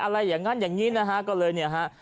อะไรอย่างนั้นอย่างนี้นะฮะ